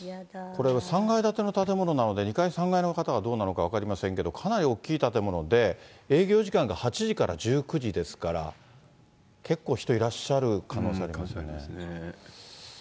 これは３階建ての建物なので、２階、３階の方がどうなのか分かりませんけど、かなり大きい建物で、営業時間が８時から１９時ですから、結構人いらっしゃる可能性ありますよね。